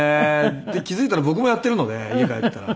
で気付いたら僕もやっているので家帰ったら。